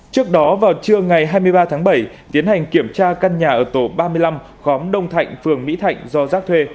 trước đó vào trưa ngày hai mươi ba tháng bảy tiến hành kiểm tra căn nhà ở tổ ba mươi năm khóm đông thạnh phường mỹ thạnh do giác thuê